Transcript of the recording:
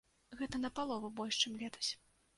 Гэта напалову больш, чым летась.